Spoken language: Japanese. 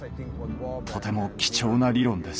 とても貴重な理論です。